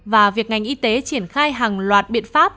và việc ngành y tế triển khai hàng loạt biện pháp